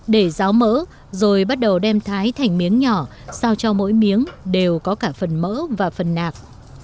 để giáo mỡ rồi bắt đầu đem thái thành miếng nhỏ sao cho mỗi miếng đều có cả phần mỡ và phần nạc